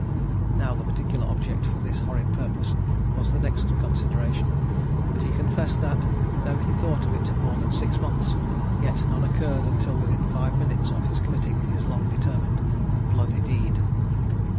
Now the particular object for this horrid purpose was the next consideration; but he confessed that, though he thought of it more than six months, yet none occurred until within five minutes of his committing his long determined and bloody deed.